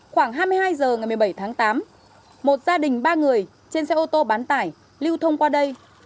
khoảng hai mươi hai h ngày một mươi bảy tháng tám một gia đình ba người trên xe ô tô bán tải lưu thông qua đây